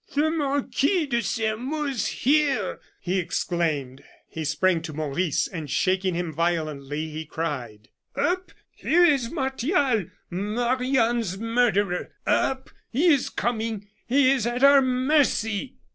"The Marquis de Sairmeuse here!" he exclaimed. He sprang to Maurice, and shaking him violently, he cried: "Up! here is Martial, Marie Anne's murderer! Up! he is coming! he is at our mercy!"